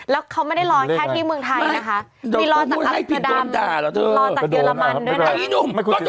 แล้วเขาไม่ได้รอแค่ที่เมืองไทยนะคะมีรอจากอัศดรรมรอจากเยอรมันด้วยนะ